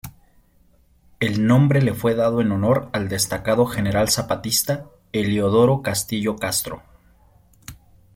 El nombre le fue dado en honor al destacado general zapatista Heliodoro Castillo Castro.